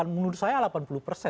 menurut saya delapan puluh persen